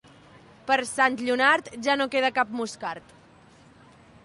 Per Sant Lleonard, ja no queda cap moscard.